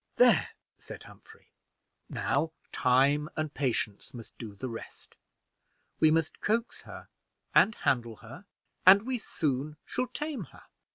"There," said Humphrey, "now time and patience must do the rest. We must coax her and handle her, and we soon shall tame her.